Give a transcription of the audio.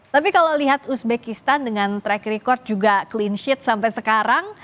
tapi kalau lihat uzbekistan dengan track record juga cleansheet sampai sekarang